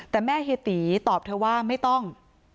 แต่แม่เฮียตีตอบเธอว่าไม่ต้อง